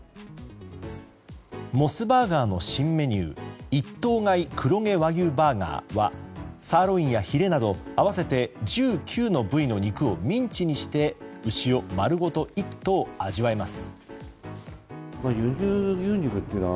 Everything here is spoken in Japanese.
モスバーガーの新メニュー一頭買い黒毛和牛バーガーはサーロインやヒレなど合わせて１９の部位の肉をミンチにして牛を丸ごと１頭味わえます。